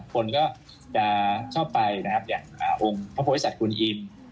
คนก็จะชอบไปอย่างอุงพระพุทธศัตริย์คุณอิ่ม